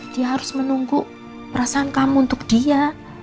dia harus menunggu perasaan kamu untuk dia